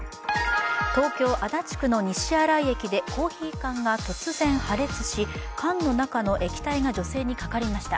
東京・足立区の西新井駅でコーヒー缶が突然破裂し、缶の中の液体が女性にかかりました。